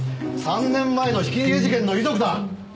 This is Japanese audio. ３年前のひき逃げ事件の遺族だ！